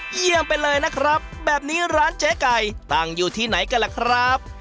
เยี่ยมไปเลยนะครับแบบนี้ร้านเจ๊ไก่ตั้งอยู่ที่ไหนกันล่ะครับ